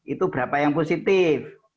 itu berapa yang positif